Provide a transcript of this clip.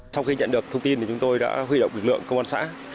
sau khi nhận được thông tin thì chúng tôi đã huy động lực lượng công an xã